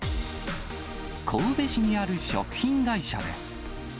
神戸市にある食品会社です。